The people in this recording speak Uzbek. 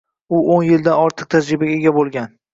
Uo‘n yildan ortiq tajribaga ega boʻlgan.